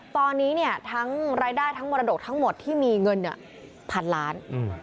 ตอนนี้ทั้งรายได้ทั้งมรดกทั้งหมดที่มีเงินพันล้าน